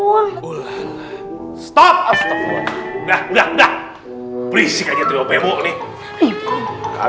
iya pak ustadz tapi kan kita mau dipake buat perwakilan audisi besok ustadz